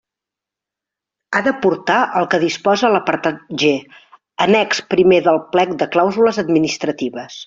Ha d'aportar el que disposa l'apartat G, annex primer del plec de clàusules administratives.